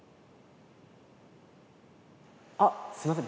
あっすいません。